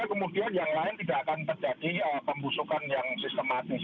jadi kemudian yang lain tidak akan terjadi pembusukan yang sistematis